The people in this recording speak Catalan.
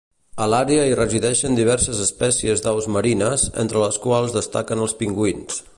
A l'àrea hi resideixen diverses espècies d'aus marines, entre les quals destaquen els pingüins.